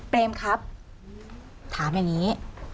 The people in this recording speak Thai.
เมมครับถามอย่างนี้